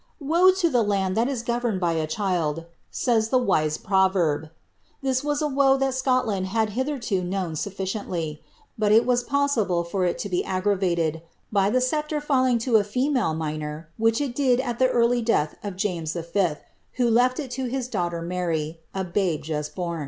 " Woe to the land that is governed by a child !" says the wise pro verb. This was a woe that Scotland had hitherto known sufliciendy; but it was possible for it to be aggravated; by the scepire falling to a female minor, which it did at ihe early death of James V., who left ii to his daughter Mary, a babejusi bom.